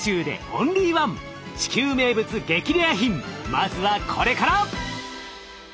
まずはこれから！